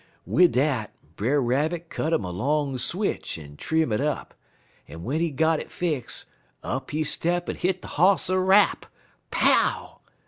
"Wid dat, Brer Rabbit cut 'im a long switch en trim it up, en w'en he get it fix, up he step en hit de Hoss a rap _pow!